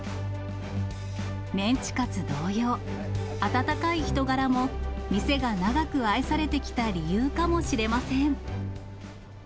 メンチカツ同様、温かい人柄も、店が長く愛されてきた理由かもしれません。